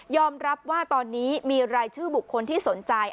รับว่าตอนนี้มีรายชื่อบุคคลที่สนใจ